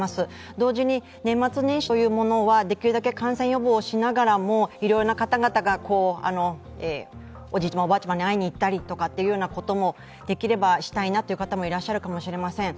同時に、年末年始というものはできるだけ感染予防をしながらもいろいろな方々がおじいちゃま、おばあちゃまに会に行ったりという方もできればしたいなという方もいらっしゃるかもしれません。